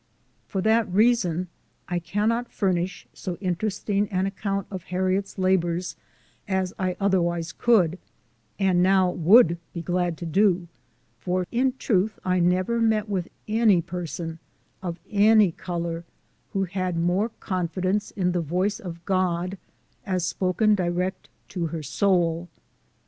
For that reason I cannot furnish so interesting an account of Harriet's labors as I otherwise could, and now would be glad to do ; for in truth I never met with any person, of any color, who had more confi dence in the voice of God, as spoken direct to her soul.